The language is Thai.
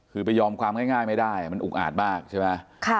คือไปยอมความง่ายไม่ได้มันอุกอาจมากใช่ไหม